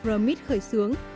r mid khởi xướng